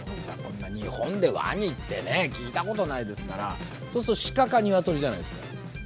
日本でワニってね聞いたことないですからそうするとシカかニワトリじゃないですか。